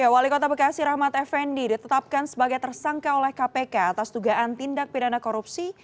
wali kota bekasi rahmat effendi ditetapkan sebagai tersangka oleh kpk atas dugaan tindak pidana korupsi